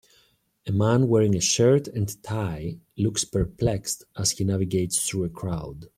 A man wearing a shirt and tie, looks perplexed as he navigates through a crowd.